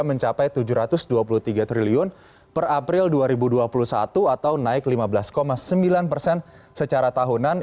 mencapai tujuh ratus dua puluh tiga triliun per april dua ribu dua puluh satu atau naik lima belas sembilan persen secara tahunan